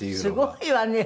すごいわね。